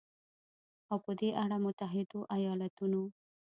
او په دې اړه د متحدو ایالتونو